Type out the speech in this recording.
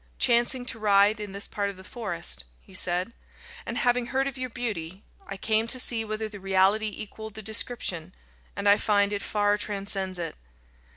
"Chancing to ride in this part of the forest," he said, "and having heard of your beauty, I came to see whether the reality equalled the description, and I find it far transcends it."